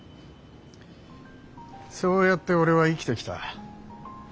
そうやって俺は生きてきた。